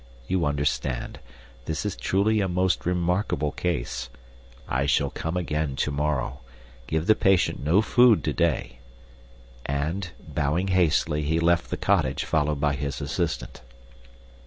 You understand. This is truly a most remarkable case. I shall come again tomorrow. Give the patient no food today," and, bowing hastily, he left the cottage, followed by his assistant.